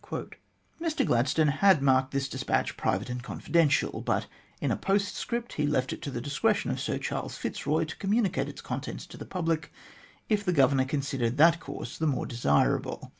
Mr Gladstone had marked this despatch " Private and Con fidential," but in a postscript he left it to the discretion of Sir Charles Fitzroy to communicate its contents to the public if the Governor considered that course the more desirable.